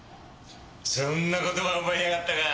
そんな言葉覚えやがったか！